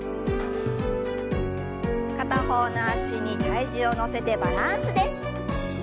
片方の脚に体重を乗せてバランスです。